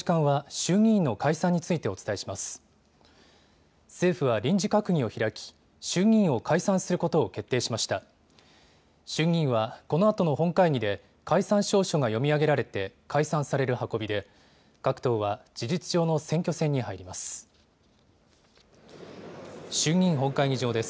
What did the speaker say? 衆議院は、このあとの本会議で、解散詔書が読み上げられて解散される運びで、各党は、事実上の選挙戦に入ります。